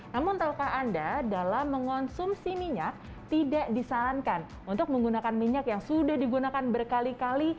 namun tahukah anda dalam mengonsumsi minyak tidak disarankan untuk menggunakan minyak yang sudah digunakan berkali kali